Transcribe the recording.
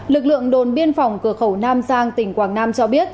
lực lượng đồn biên phòng cửa khẩu nam giang tỉnh quảng nam cho biết